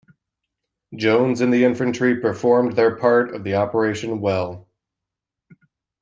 Jones and the infantry performed their part of the operation well.